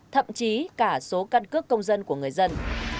thậm chí cả số căn cước công dân của người dân